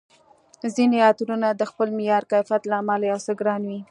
ځیني عطرونه د خپل معیار، کیفیت له امله یو څه ګران وي